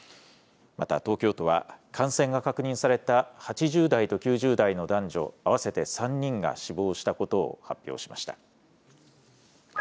また東京都は、感染が確認された８０代と９０代の男女合わせて３人が死亡したことを発表しました。